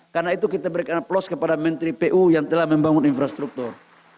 karena itu kita berikan aplaus kepada menteri pu yang telah membangun infrastruktur